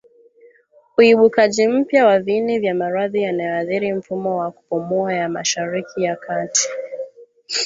uibukaji mpya wa viini vya maradhi yanayoathiri mfumo wa kupumua ya Mashariki ya Kati